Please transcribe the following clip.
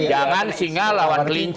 jangan singa lawan kelinci